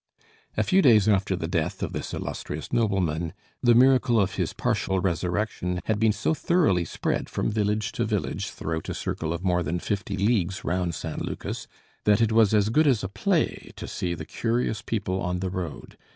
A few days after the death of this illustrious nobleman, the miracle of his partial resurrection had been so thoroughly spread from village to village throughout a circle of more than fifty leagues round San Lucas that it was as good as a play to see the curious people on the road.